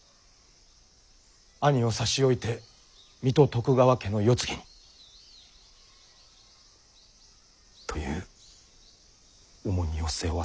兄を差し置いて水戸徳川家の世継ぎにという重荷を背負わせた。